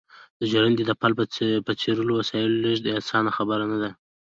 د ژرندې د پل په څېر وسایلو لېږد اسانه خبره نه ده